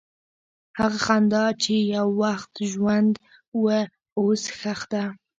هغه خندا چې یو وخت ژوند وه، اوس ښخ ده.